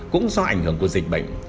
cũng do ảnh hưởng của dịch bệnh